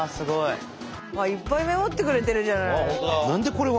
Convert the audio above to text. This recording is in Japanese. いっぱいメモってくれてるじゃない。